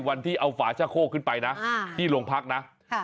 วันที่เอาฝาชะโคกขึ้นไปนะที่โรงพักนะ